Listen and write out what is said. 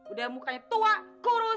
udah mukanya tua kurus